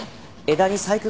枝に細工！？